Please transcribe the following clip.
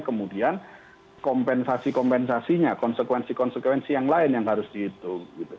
kemudian kompensasi kompensasinya konsekuensi konsekuensi yang lain yang harus dihitung